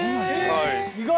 意外！